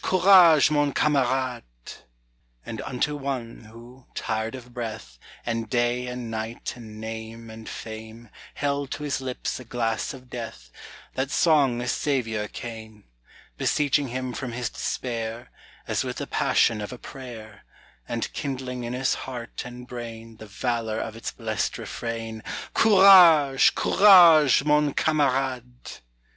courage, mon camarade! And unto one, who, tired of breath, And day and night and name and fame, Held to his lips a glass of death, That song a savior came; Beseeching him from his despair, As with the passion of a prayer; And kindling in his heart and brain The valor of its blest refrain Courage! courage, mon camarade!